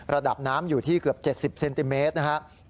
ระดับน้ำอยู่ที่เกือบ๗๐เซนติเมตรนะครับ